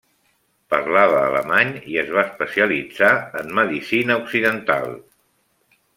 Parlava alemany i es va especialitzar en medicina occidental.